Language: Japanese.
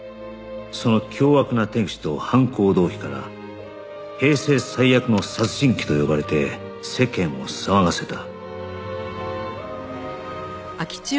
その凶悪な手口と犯行動機から「平成最悪の殺人鬼」と呼ばれて世間を騒がせた